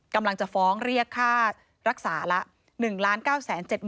กำลังจะฟ้องเรียกค่ารักษาละ